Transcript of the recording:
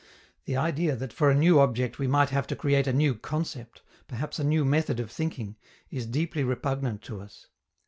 The idea that for a new object we might have to create a new concept, perhaps a new method of thinking, is deeply repugnant to us.